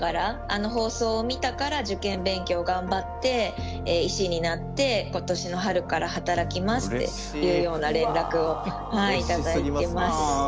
「あの放送を見たから受験勉強を頑張って医師になって今年の春から働きます」っていうような連絡を頂いてます。